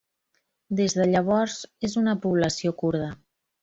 Des de llavors és una població kurda.